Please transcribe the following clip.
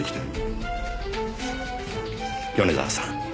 米沢さん